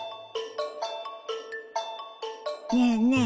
ねえねえ